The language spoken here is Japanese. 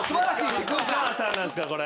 菊川さんなんですかこれ。